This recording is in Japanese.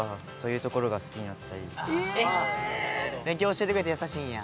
ええ！勉強教えてくれて優しいんや。